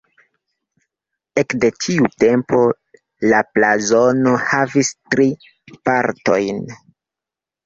Ekde tiu tempo la blazono havis tri partojn.